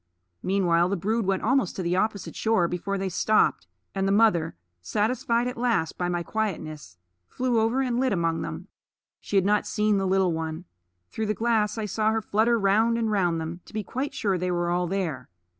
Meanwhile the brood went almost to the opposite shore before they stopped, and the mother, satisfied at last by my quietness, flew over and lit among them. She had not seen the little one. Through the glass I saw her flutter round and round them, to be quite sure they were all there.